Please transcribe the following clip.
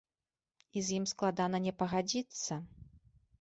І з ім складана не пагадзіцца.